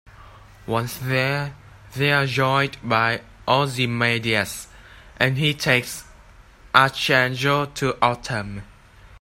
Once there, they are joined by Ozymandias, and he takes Archangel to Autumn.